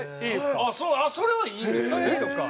それはいいんですか。